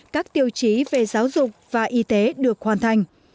các tiêu chí về giáo dục và y tế được hoàn thành